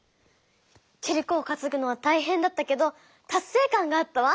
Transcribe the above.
キリコをかつぐのはたいへんだったけどたっせい感があったわ！